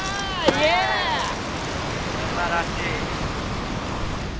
すばらしい。